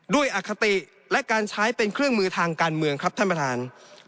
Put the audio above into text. อคติและการใช้เป็นเครื่องมือทางการเมืองครับท่านประธาน